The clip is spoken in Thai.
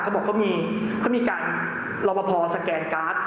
เขาบอกเขามีการรอปภสแกนการ์ด